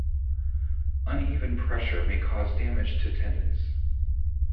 Uneven pressure may cause damage to tendons.